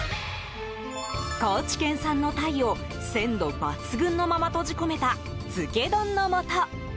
高知県産のタイを鮮度抜群のまま閉じ込めた漬け丼のもと。